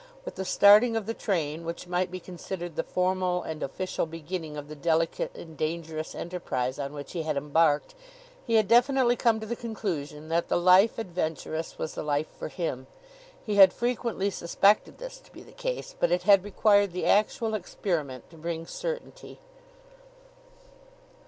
With the starting of the train, which might be considered the formal and official beginning of the delicate and dangerous enterprise on which he had embarked, he had definitely come to the conclusion that the life adventurous was the life for him. He had frequently suspected this to be the case, but it had required the actual experiment to bring certainty.